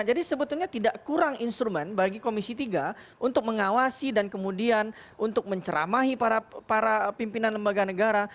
jadi sebetulnya tidak kurang instrumen bagi komisi tiga untuk mengawasi dan kemudian untuk menceramahi para pimpinan lembaga negara